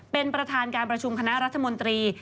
เป็นประธานการประชุมคณะรัฐมนตรี